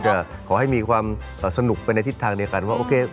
ด้านการ์ดศีรษะจุดปลายเท้าอย่างนี้นี่คือ